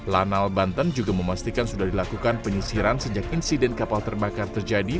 lanal banten juga memastikan sudah dilakukan penyisiran sejak insiden kapal terbakar terjadi